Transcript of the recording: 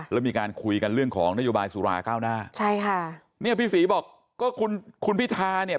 แล้วมีการคุยกันเรื่องของนโยบายสุราเก้าหน้าใช่ค่ะเนี่ยพี่ศรีบอกก็คุณคุณพิธาเนี่ย